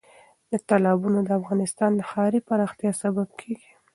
تالابونه د افغانستان د ښاري پراختیا سبب کېږي.